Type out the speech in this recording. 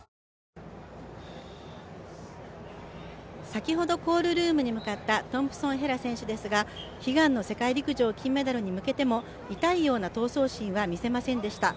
先ほどコールルームに向かったトンプソン・ヘラ選手ですが、悲願の世界陸上金メダルに向けても痛いような闘争心は見せませんでした。